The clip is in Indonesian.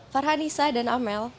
farhanisa dan amel